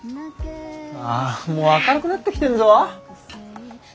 あもう明るくなってきてんぞ。